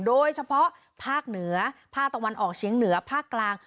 โดยเฉพาะภาคเหนือภาคตะวันออกเชียงเหนือภาคกลาง